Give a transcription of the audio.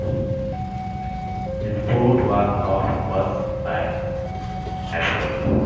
This bout was Hope's first fight abroad.